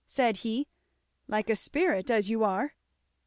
said he, "like a sprite, as you are."